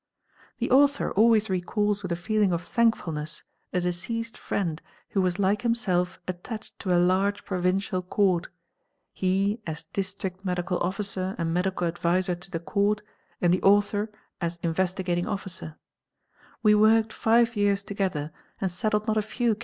. The author always recalls with a feeling of thankfulness a deceased QD d who was like himself attached to a large provincial court ; he, as rict Medical Officer and medical adviser to the court and the author vestigating Officer; we worked 5 years together and settled not a few